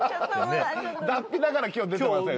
脱皮だから今日出てません。